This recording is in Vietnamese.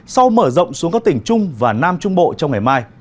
sau mở rộng xuống các tỉnh trung và nam trung bộ trong ngày mai